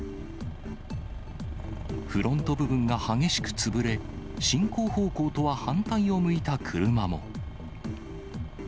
フロント部分が激しく潰れ、進行方向とは反対を向いた車も。